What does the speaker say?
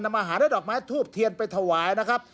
และมาหาด้วยดอกไม้ทูบเทียนไปถวายนะครับ